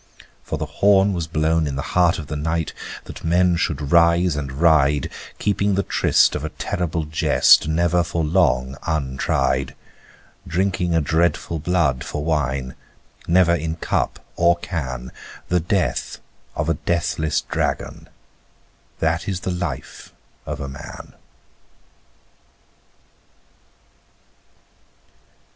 For the horn was blown in the heart of the night That men should rise and ride, Keeping the tryst of a terrible jest Never for long untried; Drinking a dreadful blood for wine, Never in cup or can, The death of a deathless Dragon, That is the life of a man.